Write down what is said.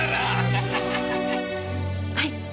はい！